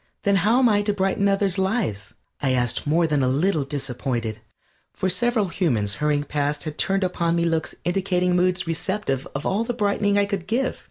"Then how am I to brighten others' lives?" I asked, more than a little disappointed, for several humans hurrying past had turned upon me looks indicating moods receptive of all the brightening I could give.